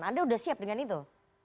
anda sudah siap dengan itu